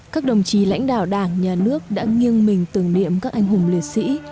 các đồng chí lãnh đạo đảng nhà nước đã nghiêng mình tưởng niệm các anh hùng liệt sĩ